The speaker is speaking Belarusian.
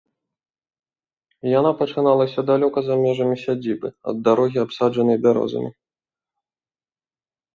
Яна пачыналася далёка за межамі сядзібы, ад дарогі, абсаджанай бярозамі.